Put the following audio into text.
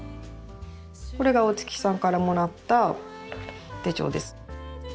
これが大月さんからもらった手帳です。